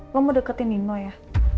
lo mau deketin nino ya